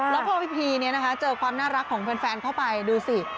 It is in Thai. แล้วพอพีพีเจอความน่ารักของแฟนเข้าไปดูสิ